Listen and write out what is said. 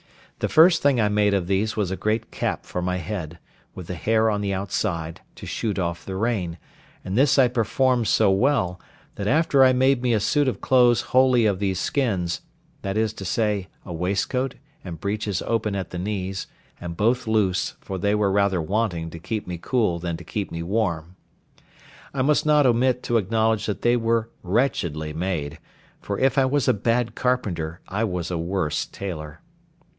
The first thing I made of these was a great cap for my head, with the hair on the outside, to shoot off the rain; and this I performed so well, that after I made me a suit of clothes wholly of these skins—that is to say, a waistcoat, and breeches open at the knees, and both loose, for they were rather wanting to keep me cool than to keep me warm. I must not omit to acknowledge that they were wretchedly made; for if I was a bad carpenter, I was a worse tailor.